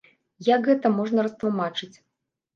Як гэта можна растлумачыць?